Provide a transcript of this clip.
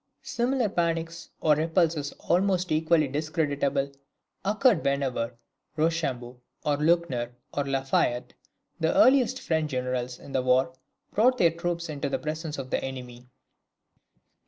Similar panics, or repulses almost equally discreditable, occurred whenever Rochambeau, or Luckner, or La Fayette, the earliest French generals in the war, brought their troops into the presence of the enemy.